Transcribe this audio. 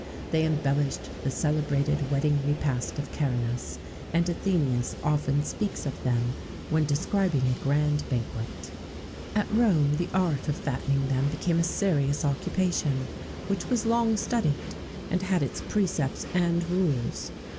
They embellished the celebrated wedding repast of Caranus; and Athenæus often speaks of them when describing a grand banquet.[XVII 20] At Rome, the art of fattening them became a serious occupation, which was long studied, and had its precepts and rules.